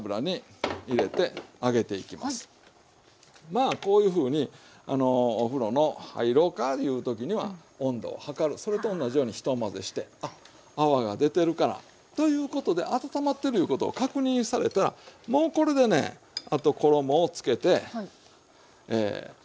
まあこういうふうにお風呂の入ろうかいう時には温度を測るそれと同じようにひと混ぜしてあっ泡が出てるからということで温まってるいうことを確認されたらもうこれでねあと衣をつけて入れていくと。